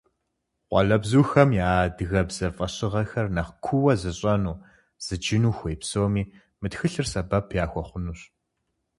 Къуалэбзухэм я адыгэбзэ фӏэщыгъэхэр нэхъ куууэ зыщӏэну, зыджыну хуей псоми мы тхылъыр сэбэп яхуэхъунущ.